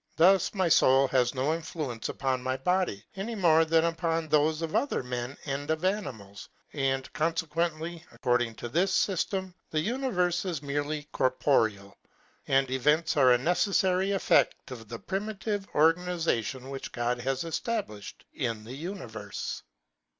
Thus, my foul has no influence upon my body, any more than upon thofe of other men and of animals : and, confequent ly, according to this fyftem, the univerfe is merely corporeal, and events are a neceffary effect of the pri mitive organization which God has eftablifhed in the univerfe.